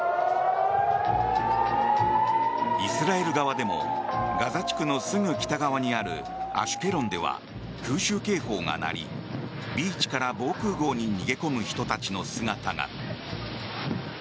イスラエル側でもガザ地区のすぐ北側にあるアシュケロンでは空襲警報が鳴りビーチから防空壕に逃げ込む人たちの姿が。